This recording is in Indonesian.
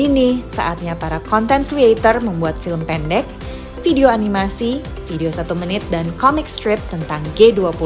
ini saatnya para content creator membuat film pendek video animasi video satu menit dan comic strip tentang g dua puluh